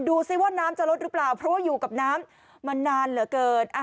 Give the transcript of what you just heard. ดูสิว่าน้ำจะลดหรือเปล่าเพราะว่าอยู่กับน้ำมานานเหลือเกิน